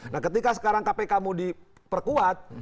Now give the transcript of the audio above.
nah ketika sekarang kpk mau diperkuat